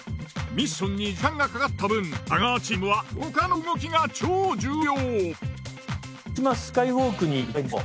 ミッションに時間がかかった分太川チームはここからの動きが超重要。